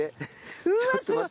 うわすごい。